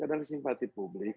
adalah simpatik publik